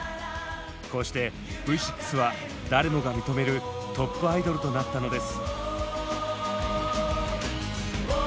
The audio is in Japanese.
こうしてＶ６は誰もが認めるトップアイドルとなったのです。